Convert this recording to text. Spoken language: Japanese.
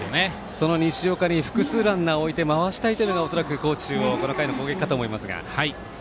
その西岡に複数ランナーを回したいというのが高知中央のこの回の攻撃かと思いますが。